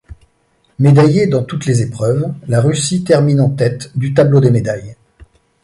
Médaillée dans toutes les épreuves, la Russie termine en tête du tableau des médailles.